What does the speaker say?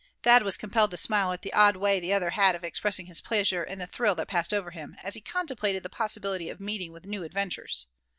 Thad was compelled to smile at the odd way the other had of expressing his pleasure in the thrill that passed over him, as he contemplated the possibility of meeting with new adventures.